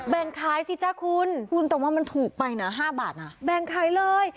แบ่งขายสิจ๊ะคุณคุณแต่ว่ามันถูกไปนะ๕บาทนะแบ่งขายเลย